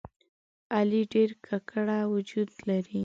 علي ډېر ګګړه وجود لري.